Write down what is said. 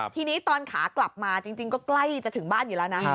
ทีนี้ตอนขากลับมาจริงก็ใกล้จะถึงบ้านอยู่แล้วนะ